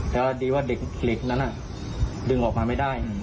แต่ว่าเด็กเหล็กนั้นดึงออกมาไม่ได้